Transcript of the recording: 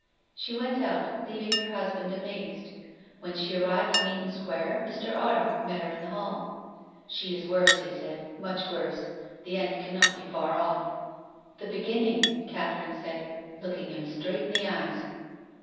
She went out leaving her husband amazed. When she arrived in Eaton Square Mr. Ardagh met her in the hall. " She is worse," he said. " Much worse. The end cannot be far off." 164 TONGUES OF CONSCIENCE. " The beginning," Catherine said, looking him straight in the eyes.